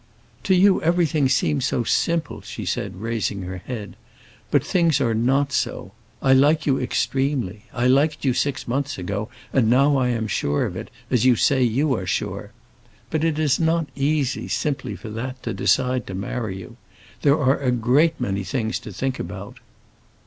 "To you everything seems so simple," she said, raising her head. "But things are not so. I like you extremely. I liked you six months ago, and now I am sure of it, as you say you are sure. But it is not easy, simply for that, to decide to marry you. There are a great many things to think about."